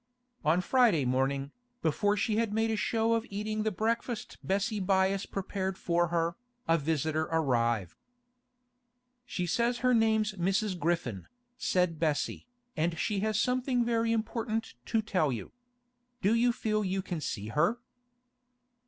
On Friday morning, before she had made a show of eating the breakfast Bessie Byass prepared for her, a visitor arrived. 'She says her name's Mrs. Griffin,' said Bessie, 'and she has something very important to tell you. Do you feel you can see her?